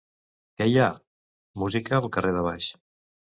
Què hi ha? —Música al carrer de baix.